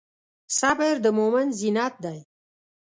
صبر د مؤمن زینت دی.